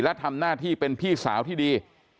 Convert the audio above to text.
และทำหน้าที่เป็นพี่สาวที่ดี